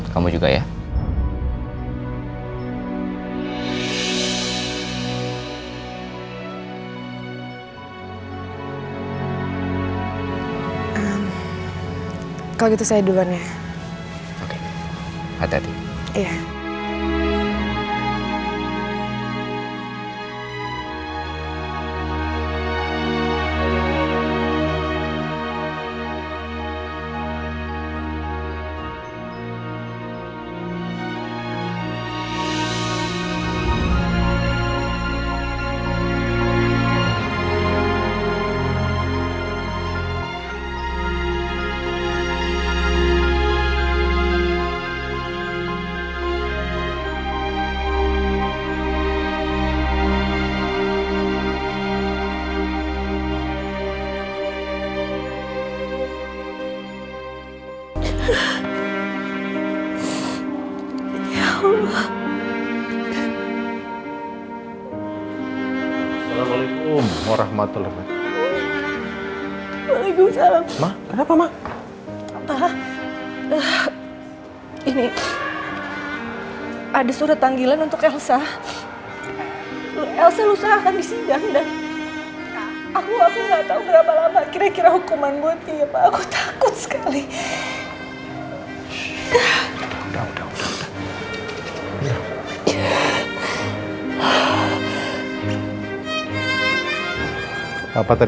kamu sehat sehat ya ren